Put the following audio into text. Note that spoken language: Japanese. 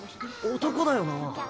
男だよな？